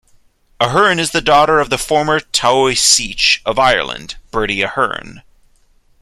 Ahern is the daughter of the former Taoiseach of Ireland, Bertie Ahern.